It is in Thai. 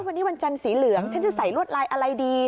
วันนี้วันจันทร์สีเหลืองฉันจะใส่ลวดลายอะไรดี